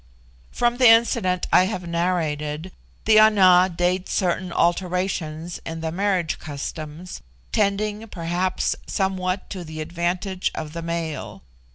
From the incident I have narrated, the Ana date certain alterations in the marriage customs, tending, perhaps, somewhat to the advantage of the male.